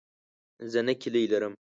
زه نهه کیلې لرم.